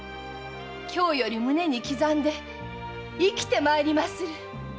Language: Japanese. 今日より胸に刻んで生きて参りまする！